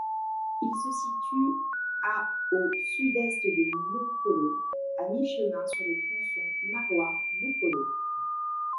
Il se situe à au Sud-Est de Mokolo, à mi-chemin sur le tronçon Maroua-Mokolo.